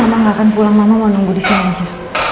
emang nggak akan pulang mama mau nunggu di sini aja